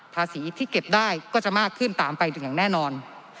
ที่เก็บได้ก็จะมากขึ้นตามไปถึงอย่างแน่นอน